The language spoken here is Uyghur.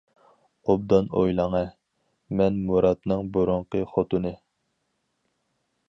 -ئوبدان ئويلاڭە، مەن مۇراتنىڭ بۇرۇنقى خوتۇنى.